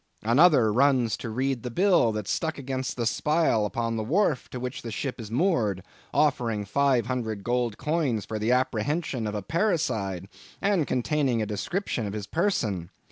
Another runs to read the bill that's stuck against the spile upon the wharf to which the ship is moored, offering five hundred gold coins for the apprehension of a parricide, and containing a description of his person.